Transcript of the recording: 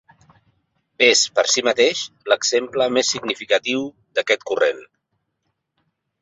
És, per si mateix, l'exemple més significatiu d'aquest corrent.